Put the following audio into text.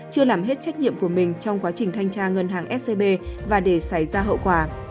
chưa làm hết trách nhiệm của mình trong quá trình thanh tra ngân hàng scb và để xảy ra hậu quả